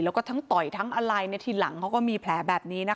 แล้วก็ทั้งต่อยทั้งอะไรทีหลังเขาก็มีแผลแบบนี้นะคะ